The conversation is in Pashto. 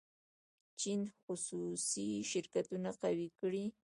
چین خصوصي شرکتونه قوي کړي.